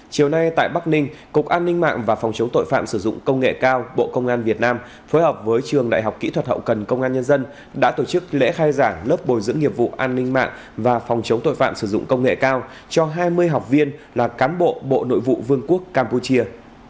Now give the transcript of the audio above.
chiều nay tại bắc ninh cục an ninh mạng và phòng chống tội phạm sử dụng công nghệ cao bộ công an việt nam phối hợp với trường đại học kỹ thuật hậu cần công an nhân dân đã tổ chức lễ khai giảng lớp bồi dưỡng nghiệp vụ an ninh mạng và phòng chống tội phạm sử dụng công nghệ cao cho hai mươi học viên là cán bộ bộ nội vụ vương quốc campuchia